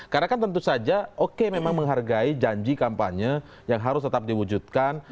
karena kan tentu saja oke memang menghargai janji kampanye yang harus tetap diwujudkan